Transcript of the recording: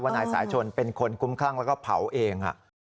นายสายชนเป็นคนคุ้มคลั่งแล้วก็เผาเอง